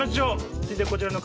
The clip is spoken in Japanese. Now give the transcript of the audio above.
続いてはこちらの方。